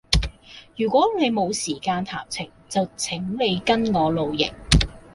如果你沒有時間談情，就請你跟我露營。